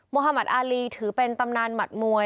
หมัติอารีถือเป็นตำนานหมัดมวย